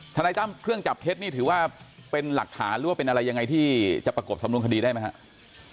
นายตั้มเครื่องจับเท็จนี่ถือว่าเป็นหลักฐานหรือว่าเป็นอะไรยังไงที่จะประกบสำนวนคดีได้ไหมครับ